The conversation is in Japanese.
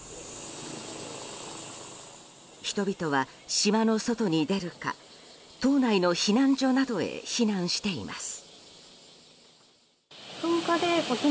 人々は島の外に出るか島内の避難所などへ避難しています。